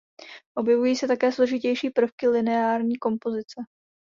Objevují se také složitější prvky lineární kompozice.